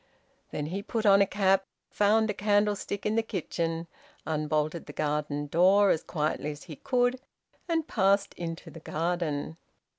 Then he put on a cap, found a candlestick in the kitchen, unbolted the garden door as quietly as he could, and passed into the garden.